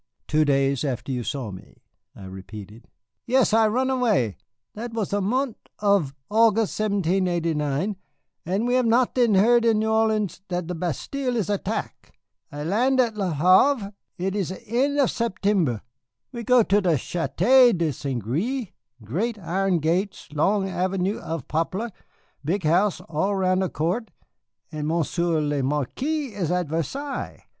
"Two days after you saw me?" I repeated. "Yaas, I run away. That was the mont' of August, 1789, and we have not then heard in New Orleans that the Bastille is attack. I lan' at La Havre, it is the en' of Septembre. I go to the Château de St. Gré great iron gates, long avenue of poplar, big house all 'round a court, and Monsieur le Marquis is at Versailles.